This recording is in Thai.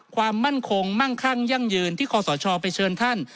ความมั่นคงมั่งคั่งยั่งยืนที่คอสชไปเชิญท่าน